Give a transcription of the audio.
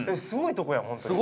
すごいとこやん